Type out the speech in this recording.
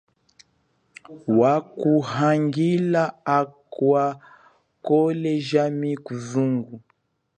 Wakuhangila akwa khole jami kusuku.